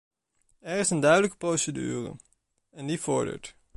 Er is een duidelijke procedure, en die vordert.